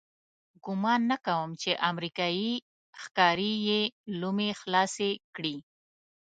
ګمان نه کوم چې امریکایي ښکاري یې لومې خلاصې کړي.